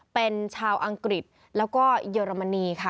เป็นชาวอังกฤษแล้วก็เยอรมนีค่ะ